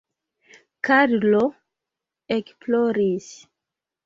Karlo ekploris.